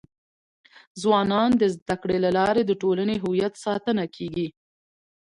ځوانان د زده کړي له لارې د ټولنې د هویت ساتنه کيږي.